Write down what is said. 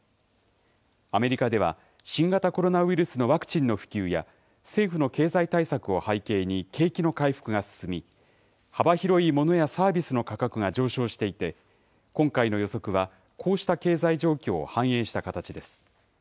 アメリカでは、新型コロナウイルスのワクチンの普及や、政府の経済対策を背景に景気の回復が進み、幅広いモノやサービスの価格が上昇していて、今回の予測は、こうした経済状況を反映した形です。